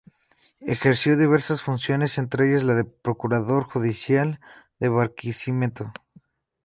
Ejerció diversas funciones, entre ellas la de Procurador Judicial de Barquisimeto.